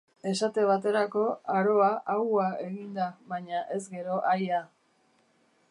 Esate baterako, aroa aua egin da, baina ez gero aia.